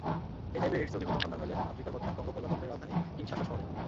HIV-AIDS রোগীর প্রথম সন্ধান মেলে আফ্রিকার বর্তমান কঙ্গো প্রজাতন্ত্রের রাজধানী কিনশাসা শহরে।